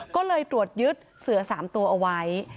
ก็เลยตรวจยึดเสือ๓ตัวเอาไว้